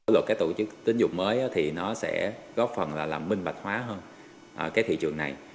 luật các tổ chức tín dụng mới thì nó sẽ góp phần là làm minh bạch hóa hơn cái thị trường này